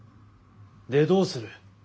でどうする？